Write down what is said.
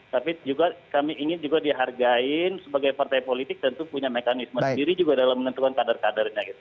tapi juga kami ingin juga dihargai sebagai partai politik tentu punya mekanisme sendiri juga dalam menentukan kader kadernya